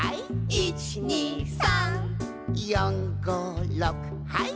「１２３」「４５６はい」